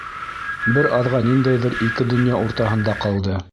Бер аҙға ниндәйҙер ике донъя уртаһында ҡалды.